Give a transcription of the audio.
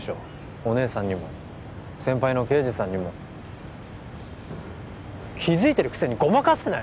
お姉さんにも先輩の刑事さんにも気づいてるくせにごまかすなよ